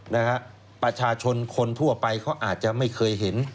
นะฮะประชาชนคนทั่วไปเขาอาจจะไม่เคยเห็น